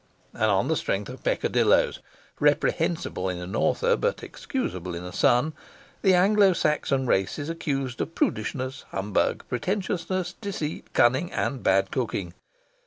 And on the strength of peccadillos, reprehensible in an author, but excusable in a son, the Anglo Saxon race is accused of prudishness, humbug, pretentiousness, deceit, cunning, and bad cooking.